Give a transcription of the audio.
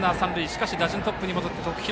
しかし打順はトップに戻って徳弘。